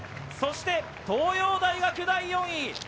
そして東洋大学が第４位。